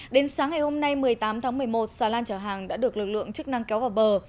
đến sáng ngày hôm nay một mươi tám tháng một mươi một xà lan chở hàng đã được lực lượng chức năng kéo vào bờ